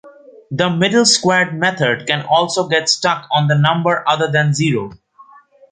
The middle-squared method can also get stuck on a number other than zero.